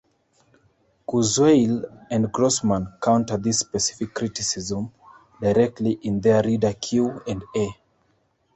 Kurzweil and Grossman counter this specific criticism directly in their Reader Q and A.